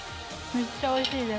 めっちゃおいしいです。